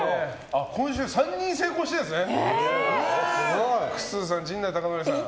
今週３人成功してるんですね。